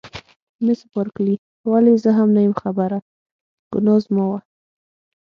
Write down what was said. مس بارکلي: په ولې یې زه هم نه یم خبره، ګناه زما وه.